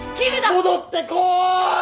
戻ってこーい！